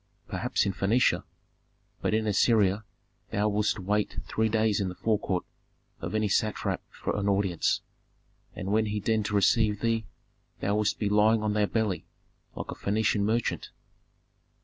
"Perhaps in Phœnicia. But in Assyria thou wouldst wait three days in the forecourt of any satrap for an audience, and when he deigned to receive thee thou wouldst be lying on thy belly, like any Phœnician merchant."